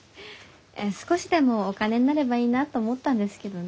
少しでもお金になればいいなと思ったんですけどね。